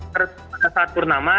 pada saat purnama